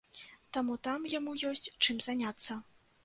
Таму там яму ёсць чым заняцца.